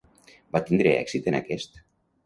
Va tindre èxit en aquest?